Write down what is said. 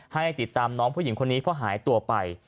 ให้ติดตามน้องผู้หญิงคนนี้เพราะหายตัวไป